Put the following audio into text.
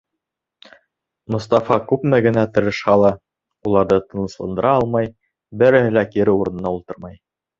Мостафа, күпме генә тырышһа ла, уларҙы тынысландыра алмай, береһе лә кире урынына ултырмай!